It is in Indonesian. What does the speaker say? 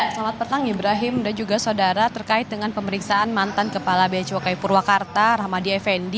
selamat petang ibrahim dan juga saudara terkait dengan pemeriksaan mantan kepala beacukai purwakarta rahmadi effendi